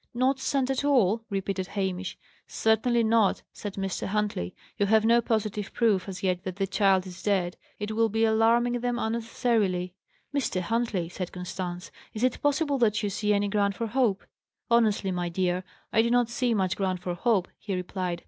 "Not send at all!" repeated Hamish. "Certainly not," said Mr. Huntley. "You have no positive proof as yet that the child is dead. It will be alarming them unnecessarily." "Mr. Huntley!" said Constance. "Is it possible that you see any ground for hope?" "Honestly, my dear, I do not see much ground for hope," he replied.